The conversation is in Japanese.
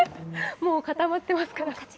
もう固まってますから。